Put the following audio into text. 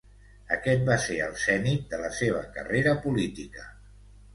Aquest va ser el zenit de la seva carrera política.